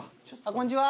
こんちは。